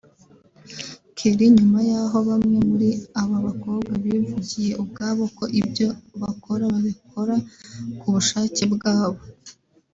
Kelly nyuma yaho bamwe muri aba bakobwa bivugiye ubwabo ko ibyo bakora babikora ku bushake bwabo